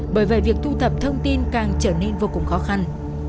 bởi vậy việc thu thập thông tin càng trở nên vô cùng khó khăn